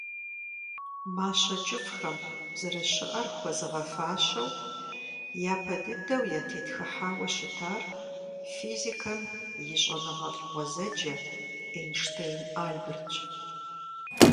Мащэ кӀыфӀхэм, зэрыщыӀэр хуэзыгъэфащэу, япэ дыдэу ятетхыхьауэ щытар физикэм и щӀэныгъэлӀ гъуэзэджэ Эйнштейн Альбертщ.